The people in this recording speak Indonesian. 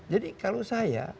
jadi kalau saya